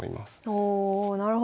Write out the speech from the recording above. おなるほど。